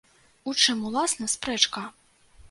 У чым, уласна, спрэчка?